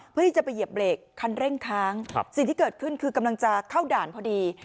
เพื่อที่จะไปเหยียบเบรกคันเร่งค้างสิ่งที่เกิดขึ้นคือกำลังจะเข้าด่านพอดี